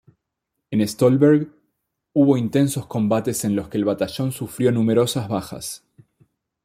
En Stolberg, hubo intensos combates en los que el batallón sufrió numerosas bajas.